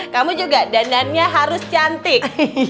kamu juga dandannya harus cantik